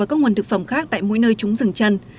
và các nguồn thực phẩm khác tại mỗi nơi chúng dừng chân